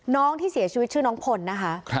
น้องที่เสียชีวิตชื่อน้องพลนะคะ